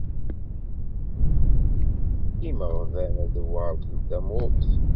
Imeɣban ad weṛten tamurt.